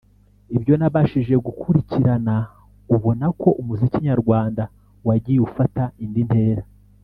ibyo nabashije gukurikirana ubona ko umuziki nyarwanda wagiye ufata indi ntera